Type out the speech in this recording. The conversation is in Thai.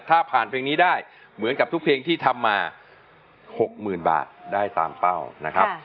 ถ้าผ่านเพลงนี้ได้เหมือนกับทุกเพลงที่ทำมา๖๐๐๐บาทได้ตามเป้านะครับ